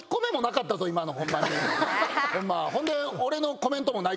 ほんで。